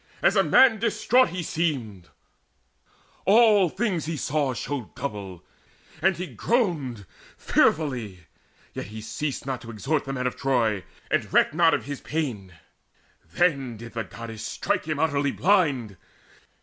As a man distraught he seemed: All things he saw showed double, and he groaned Fearfully; yet he ceased not to exhort The men of Troy, and recked not of his pain. Then did the Goddess strike him utterly blind.